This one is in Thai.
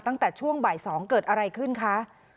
ตั้งแต่ช่วงบ่าย๒เกิดอะไรขึ้นคะ